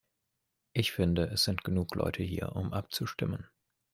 Ich finde, es sind genug Leute hier, um abzustimmen.